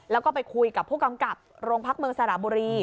แล้วก็ไปคุยกับผู้กำกับโรงพักเมืองสระบุรี